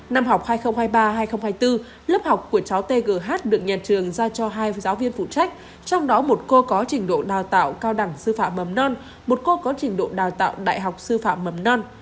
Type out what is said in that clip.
năm học hai nghìn hai mươi ba hai nghìn hai mươi bốn lớp học của cháu tgh được nhà trường ra cho hai giáo viên phụ trách trong đó một cô có trình độ đào tạo cao đẳng sư phạm mầm non một cô có trình độ đào tạo đại học sư phạm mầm non